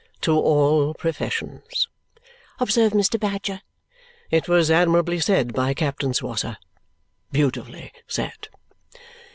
"To all professions," observed Mr. Badger. "It was admirably said by Captain Swosser. Beautifully said."